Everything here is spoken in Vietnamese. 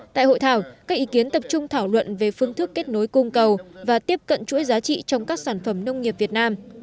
tại hội thảo các ý kiến tập trung thảo luận về phương thức kết nối cung cầu và tiếp cận chuỗi giá trị trong các sản phẩm nông nghiệp việt nam